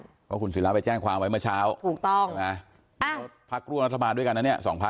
เพราะคุณศิราไปแจ้งความไว้เมื่อเช้าถูกต้องพักร่วมรัฐบาลด้วยกันนะเนี่ยสองพัก